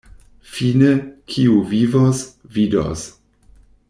Fine, kiu vivos, vidos.